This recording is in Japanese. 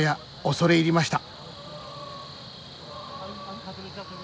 恐れ入りました。